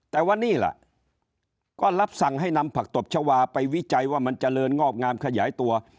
แต่ว่านี่ล่ะก็รับสั่งให้นำผักตบชาวาไปวิจัยว่ามันเจริญงอกงามขยายตัว